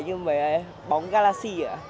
như bóng galaxy ạ